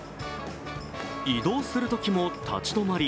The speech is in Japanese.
移動するときも立ち止まり